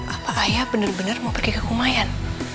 apa ayah benar benar mau pergi ke kumayan